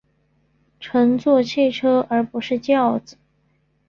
乘坐汽车而不是轿子